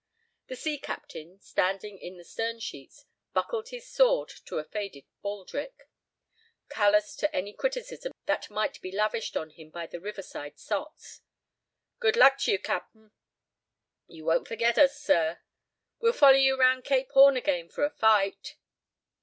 The sea captain, standing in the stern sheets, buckled his sword to a faded baldric, callous to any criticism that might be lavished on him by the river side sots. "Good luck to you, capt'n." "You won't forget us, sir." "We'll follow you round Cape Horn again for a fight."